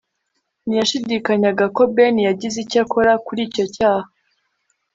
ntiyashidikanyaga ko ben yagize icyo akora kuri icyo cyaha